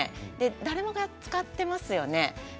誰もが使っていますよね。